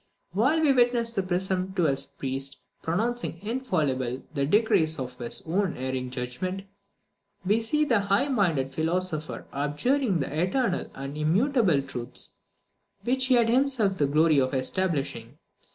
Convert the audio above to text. While we witness the presumptuous priest pronouncing infallible the decrees of his own erring judgment, we see the high minded philosopher abjuring the eternal and immutable truths which he had himself the glory of establishing.